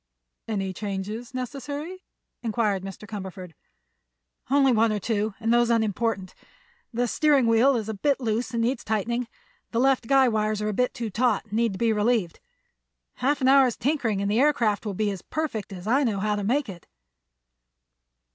"Any changes necessary?" inquired Mr. Cumberford. "Only one or two, and those unimportant. The steering wheel is too loose and needs tightening. The left guy wires are a bit too taut and need to be relieved. Half an hour's tinkering and the aircraft will be as perfect as I know how to make it."